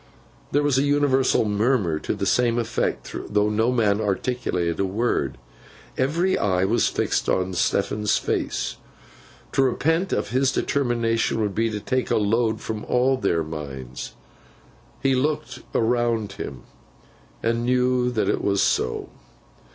There was an universal murmur to the same effect, though no man articulated a word. Every eye was fixed on Stephen's face. To repent of his determination, would be to take a load from all their minds. He looked around him, and knew that it was so.